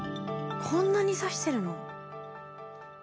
こんなに刺してるの？